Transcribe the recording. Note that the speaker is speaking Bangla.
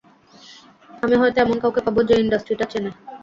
আমি হয়তো এমন কাউকে পাবো, যে ইন্ডাস্ট্রিটা চেনে।